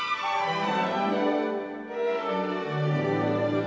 ああ。